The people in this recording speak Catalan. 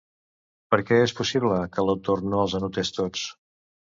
Per què és possible que l'autor no els anotés tots?